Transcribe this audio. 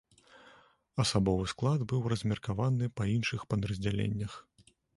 Асабовы склад быў размеркаваны па іншых падраздзяленнях.